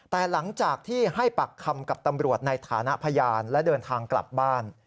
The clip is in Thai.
แต่หลังจากที่ให้ปากคำกับตำรวจในฐานะพยานและเดินทางกลับบ้าน